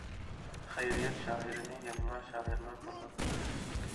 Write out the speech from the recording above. خەيرىيەت، شائىرنى يەنىلا شائىرلار تاللاپ چىقتى.